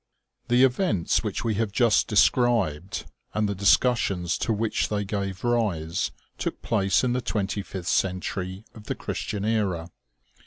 THE events which we have just described, and the dis cussions to which they gave rise, took place in the twenty fifth century of the Christian era.